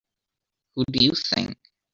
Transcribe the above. Who do you think?